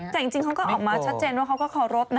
แต่จริงเขาก็ออกมาชัดเจนว่าเขาก็เคารพนะ